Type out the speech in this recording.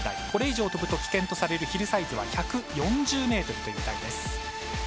これ以上、飛ぶと危険とされるヒルサイズは１４０ｍという台です。